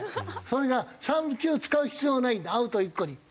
それが３球使う必要がないのでアウト１個に。